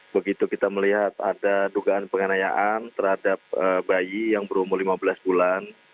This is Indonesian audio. begitu kita melihat ada dugaan penganayaan terhadap bayi yang berumur lima belas bulan